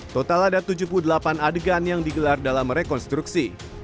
total ada tujuh puluh delapan adegan yang digelar dalam rekonstruksi